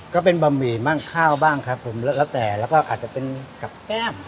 ก็เป็นบะหมี่บ้างข้าวบ้างครับผมแล้วแต่แล้วก็อาจจะเป็นกับแก้ม